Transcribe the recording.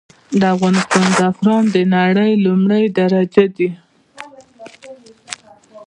د افغانستان زعفران د نړې لمړی درجه دي.